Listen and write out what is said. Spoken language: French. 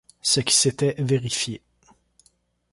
Ce qui s’était vérifié.